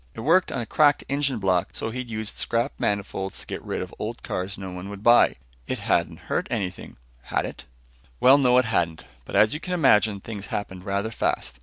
It worked on a cracked engine block, so he'd used scrap manifolds to get rid of old cars no one would buy. It hadn't hurt anything, had it? Well, no, it hadn't. But as you can imagine, things happened rather fast.